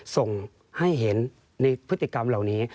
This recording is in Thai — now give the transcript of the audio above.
ส่งให้เห็นในพฤติกรรมเหล่านี้